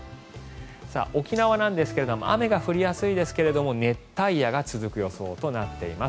沖縄なんですが雨が降りやすいですが熱帯夜が続く予想となっています。